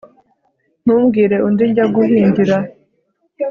ntumbwire undi njya guhingira